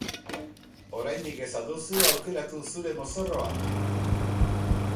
Oraindik ez al duzu aukeratu zure mozorroa?